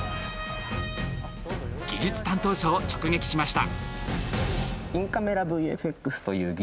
技術担当者を直撃しました。